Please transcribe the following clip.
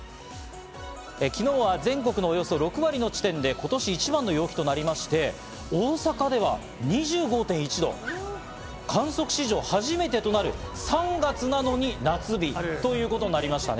昨日は全国のおよそ６割の地点で、今年一番の陽気となりまして、大阪では２５．１度、観測史上初めてとなる、３月なのに夏日ということになりましたね。